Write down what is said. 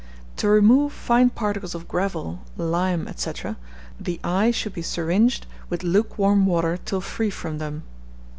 To remove fine particles of gravel, lime, &c., the eye should be syringed with lukewarm water till free from them.